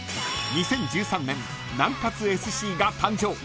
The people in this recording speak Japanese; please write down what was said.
［２０１３年南ＳＣが誕生。